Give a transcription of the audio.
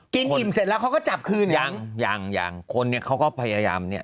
อิ่มเสร็จแล้วเขาก็จับคืนยังยังยังคนเนี่ยเขาก็พยายามเนี่ย